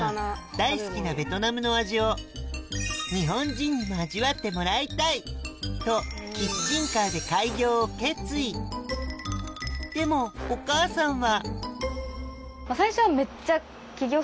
大好きなベトナムの味を日本人にも味わってもらいたいとキッチンカーで開業を決意というのもそうなんだ。